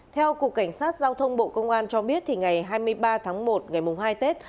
theo cục cảnh sát giao thông bộ công an cho biết ngày hai mươi ba tháng một ngày hai tết